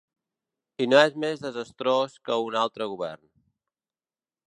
I no és més desastrós que un altre govern.